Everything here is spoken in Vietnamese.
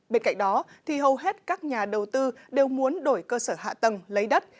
bên cạnh đó thì hầu hết các nhà đầu tư đều muốn đổi cơ sở hạ tầng lấy đất